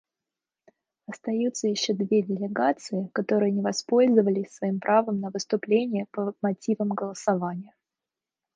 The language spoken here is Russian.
Остаются еще две делегации, которые не воспользовались своим правом на выступление по мотивам голосования.